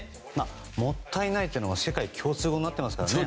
もったいないというのが世界共通語になってますからね